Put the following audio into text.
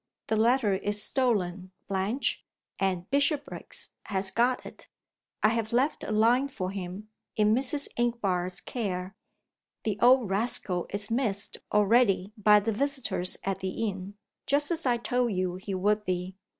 The letter is stolen, Blanche; and Bishopriggs has got it. I have left a line for him, in Mrs. Inchbare's care. The old rascal is missed already by the visitors at the inn, just as I told you he would be.